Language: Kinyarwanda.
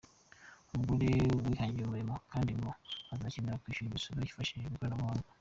Umugore wihangiye umurimo kandi ngo azakenera kwishyura imisoro yifashishije ikoranabuhanga.